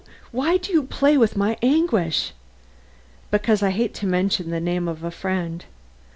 Why do you play with my anguish?" "Because I hate to mention the name of a friend."